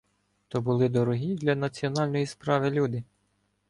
То були дорогі для національної справи люди.